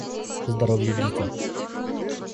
Здоровье гика